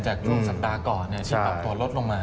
จากตัวสัตว์ตาก่อนหลังจากปรับตัวลดลงมา